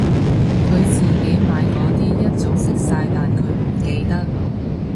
佢自己買嗰啲一早食晒但佢唔記得